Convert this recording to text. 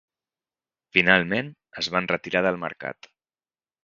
Finalment, es van retirar del mercat.